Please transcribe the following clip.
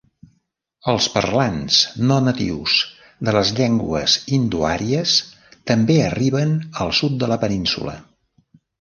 Els parlants no natius de les llengües indoàries també arriben al sud de la península.